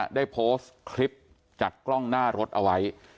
ได้โพสต์คลิปจากกล้องหน้ารถเอาไว้